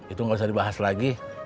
itu nggak usah dibahas lagi